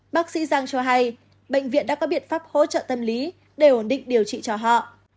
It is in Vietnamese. bác sĩ giang cho hay bệnh viện đã có biện pháp hỗ trợ tâm lý để ổn định điều trị cho họ